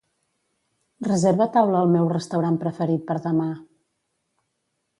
Reserva taula al meu restaurant preferit per demà.